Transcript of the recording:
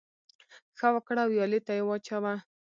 ـ ښه وکړه ، ويالې ته يې واچوه.